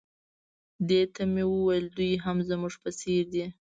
دې ته مې وویل دوی هم زموږ په څېر دي.